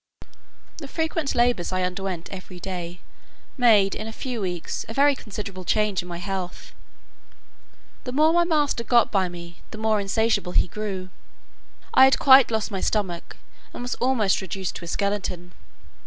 The frequent labours I underwent every day, made, in a few weeks, a very considerable change in my health: the more my master got by me, the more insatiable he grew. I had quite lost my stomach, and was almost reduced to a skeleton.